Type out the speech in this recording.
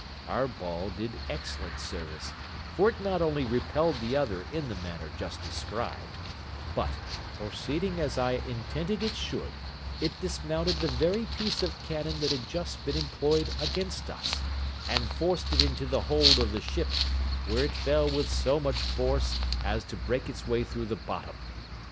Our ball did excellent service; for it not only repelled the other in the manner just described, but, proceeding as I intended it should, it dismounted the very piece of cannon that had just been employed against us, and forced it into the hold of the ship, where it fell with so much force as to break its way through the bottom.